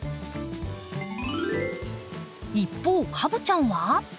一方カブちゃんは？